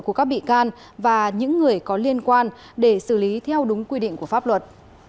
của các bị can và những người có liên quan để xử lý theo đúng quy định của pháp luật